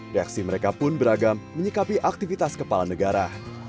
reaksi mereka pun beragam menyikapi aktivitas kepala negara